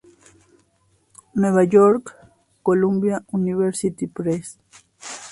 Nueva York: Columbia University Press.